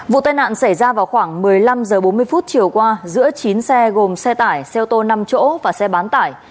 vụ tai nạn xảy ra vào khoảng một mươi năm h bốn mươi chiều qua giữa chín xe gồm xe tải xe ô tô năm chỗ và xe bán tải